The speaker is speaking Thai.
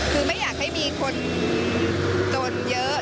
คือไม่อยากให้มีคนจนเยอะ